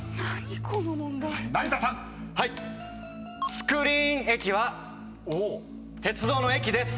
スクリーン駅は鉄道の駅です。